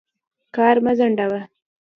کار مه ځنډوه.